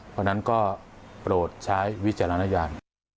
เพราะฉะนั้นก็โปรดใช้วิจารณญาณ